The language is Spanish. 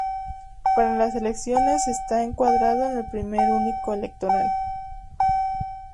Para las elecciones está encuadrado en el Primer Único Electoral.